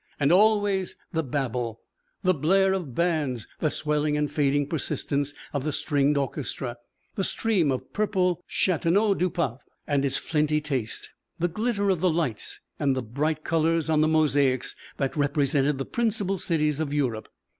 And always the babble, the blare of bands, the swelling and fading persistence of the stringed orchestra, the stream of purple Châteauneuf du Pape and its flinty taste, the glitter of the lights and the bright colours on the mosaics that represented the principal cities of Europe.